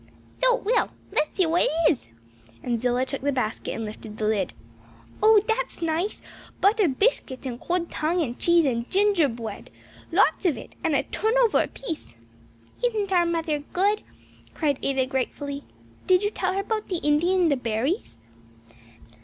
"So it will. Let's see what it is," and Zillah took the basket and lifted the lid. "Oh that's nice! buttered biscuits and cold tongue and cheese and ginger bread lots of it and a turnover apiece." "Isn't our mother good?" cried Ada gratefully. "Did you tell her about the Indian the berries?"